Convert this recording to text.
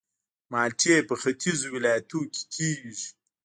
مالټې په ختیځو ولایتونو کې کیږي